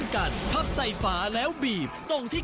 คุณพรมสวัสดีนาที